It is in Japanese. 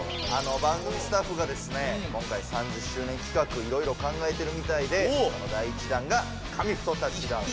番組スタッフが今回３０周年企画いろいろ考えてるみたいでその第１弾が「紙フトタッチダウン」。